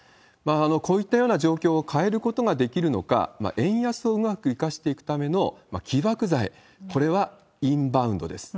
こういったような状況を変えることができるのか、円安をうまく生かしていくための、起爆剤、これはインバウンドです。